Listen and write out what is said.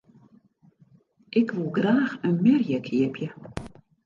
Ik woe graach in merje keapje.